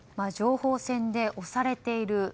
情報戦で押されている。